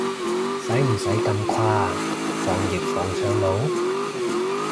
使唔使咁誇啊，防疫防上腦？